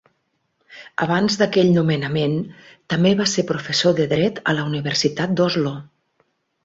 Abans d"aquell nomenament, també va ser professor de dret a la Universitat d"Oslo.